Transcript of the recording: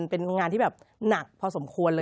เป็นงานที่แบบหนักพอสมควรเลย